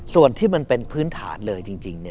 ส่วนที่มันเป็นพื้นฐานเลยจริง